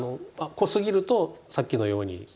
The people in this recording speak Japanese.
濃すぎるとさっきのように。